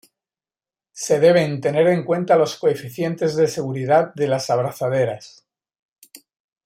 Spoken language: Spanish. Se deben tener en cuenta los coeficientes de seguridad de las abrazaderas.